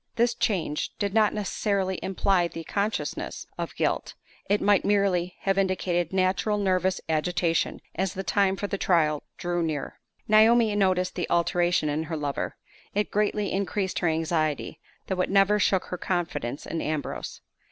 This change did not necessarily imply the consciousness of guilt: it might merely have indicated natural nervous agitation as the time for the trial drew near. Naomi noticed the alteration in her lover. It greatly increased her anxiety, though it never shook her confidence in Ambrose.